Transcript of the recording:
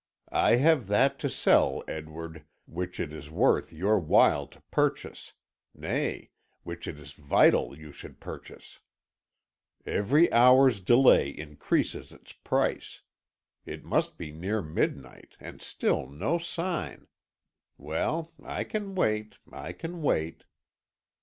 I have that to sell, Edward, which it is worth your while to purchase nay, which it is vital you should purchase. Every hour's delay increases its price. It must be near midnight, and still no sign. Well, I can wait I can wait."